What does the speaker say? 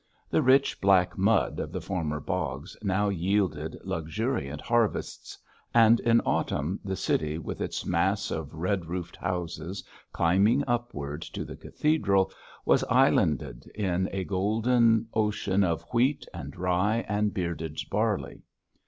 The rich, black mud of the former bogs now yielded luxuriant harvests, and in autumn the city, with its mass of red roofed houses climbing upward to the cathedral, was islanded in a golden ocean of wheat and rye and bearded barley.